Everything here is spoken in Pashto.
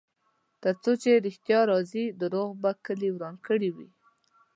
ترڅو چې ریښتیا راځي، دروغو به کلی وران کړی وي.